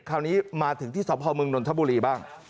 คราวนี้มาถึงที่สพมนนทบุรีบ้าง